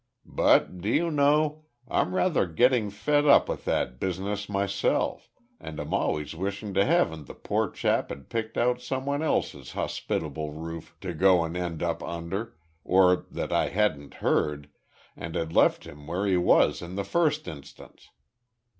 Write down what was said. But, do you know, I'm rather getting fed up with that business myself, and am always wishing to Heaven the poor chap had picked out some one else's hospitable roof to go and end up under, or that I hadn't heard, and had left him where he was in the first instance.